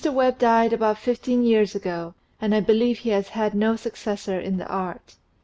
Webb died about fifteen years ago, and I believe he has had no successor in the art.